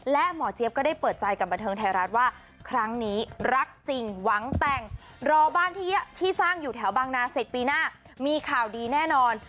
และหมอเจี๊ยบก็ได้เปิดใจกับบันเทิงไทยรัฐว่าครั้งนี้รักจริงหวังแต่งรอบ้านที่สร้างอยู่แถวบางนาเสร็จปีหน้ามีข่าวดีแน่นอน